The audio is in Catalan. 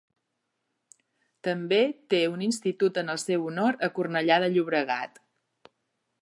També té un institut en el seu honor a Cornellà de Llobregat.